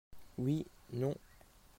Oui/Non.